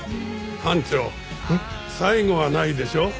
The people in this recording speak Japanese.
班長「最後」はないでしょ。